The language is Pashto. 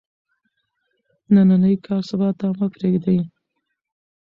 نننی کار سبا ته مه پریږدئ.